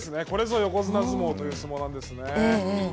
これぞ横綱相撲という相撲なんですね。